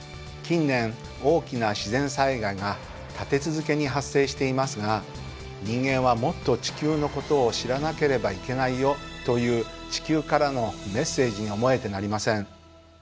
近年大きな自然災害が立て続けに発生していますが人間はもっと地球のことを知らなければいけないよという地球からのメッセージに思えてなりません。